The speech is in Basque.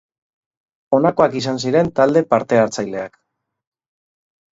Honakoak izan ziren talde parte-hartzaileak.